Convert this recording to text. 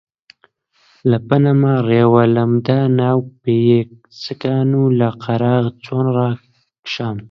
لە پەنا ڕێوە لامدا ناو پنچکان و لە قەراغ چۆم ڕاکشام